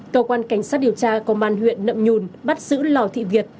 cơ quan cảnh sát điều tra công an huyện nậm nhùn bắt giữ lò thị việt